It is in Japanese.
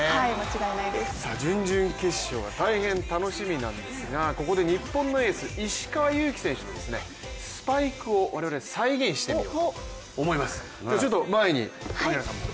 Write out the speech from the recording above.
準々決勝大変楽しみなんですがここで日本のエース、石川祐希選手のスパイクを我々再現してみようと思います。